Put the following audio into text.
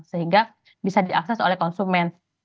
sehingga bisa diakses oleh konsumen